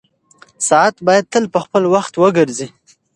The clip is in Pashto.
ساعت باید تل په خپل وخت وګرځي.